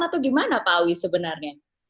atau gimana pak awi sebenarnya